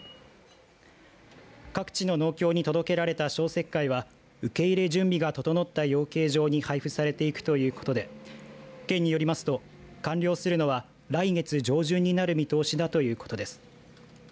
各地の農協に届けられた消石灰は受け入れ準備が整った養鶏場に配付されていくということで県によりますと完了するのは来月上旬になる見通しだということです。